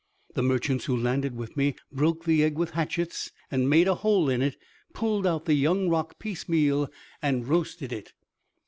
The merchants who landed with me broke the egg with hatchets, and made a hole in it, pulled out the young roc, piecemeal, and roasted it.